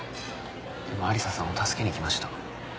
でもアリサさんを助けにきました。